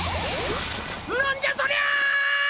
なんじゃそりゃ！